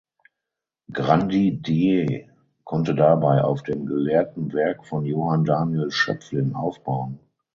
Grandidier konnte dabei auf dem gelehrten Werk von Johann Daniel Schöpflin aufbauen.